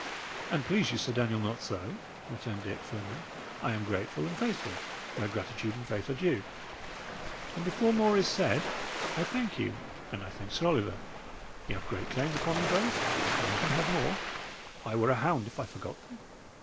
"An't please you, Sir Daniel, not so," returned Dick, firmly. "I am grateful and faithful, where gratitude and faith are due. And before more is said, I thank you, and I thank Sir Oliver; y' have great claims upon me both none can have more; I were a hound if I forgot them."